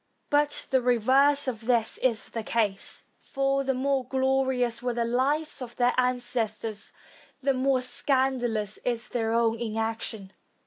But the reverse of this is the case ; for the more glorious were the lives of their ancestors, the more scandalous is their own inaction.